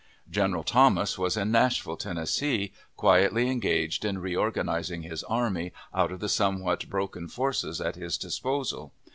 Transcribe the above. General Thomas was in Nashville, Tennessee, quietly engaged in reorganizing his army out of the somewhat broken forces at his disposal.